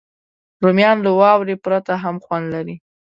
رومیان له واورې پرته هم خوند لري